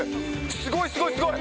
すごい、すごいすごい。